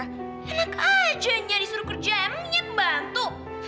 enak aja nyari suruh kerja emangnya bantu